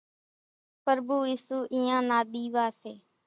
پرڀُو ايسُو اينيان نا ۮيوا سي